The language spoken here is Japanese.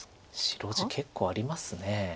白地結構あります。